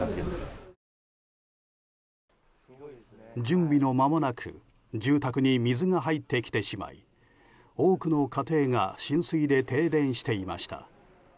準備の間もなく住宅に水が入ってきてしまい多くの家庭が浸水で停電していました。